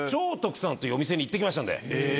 というお店に行って来ましたんで。